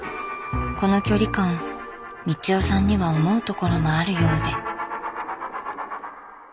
この距離感光代さんには思うところもあるようで。